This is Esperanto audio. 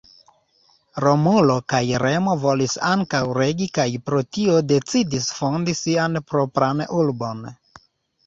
Romulo kaj Remo volis ankaŭ regi kaj pro tio decidis fondi sian propran urbon.